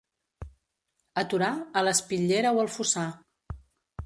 A Torà, a l'espitllera o al fossar.